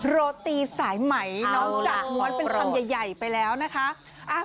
โรตีสายไหมนอกจากม้วนเป็นคำใหญ่ไปแล้วนะคะ